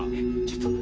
ちょっと！